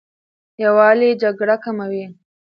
یووالی جګړه کموي.